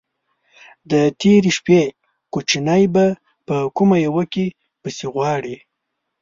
_د تېرې شپې کوچی به په کومه يوه کې پسې غواړې؟